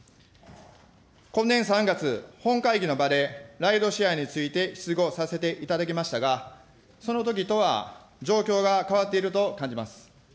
今年３月、本会議の場でライドシェアについて質疑をさせていただきましたが、そのときとは状況が変わっていると感じます。